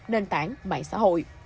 nền tảng mạng xã hội